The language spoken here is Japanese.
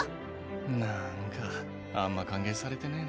なんかあんま歓迎されてねえな